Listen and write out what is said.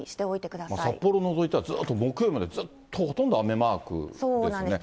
幌除いては、ずっと木曜日までずっとほとんど雨マークですね。